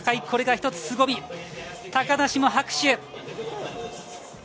これが一つすごみ、高梨も拍手。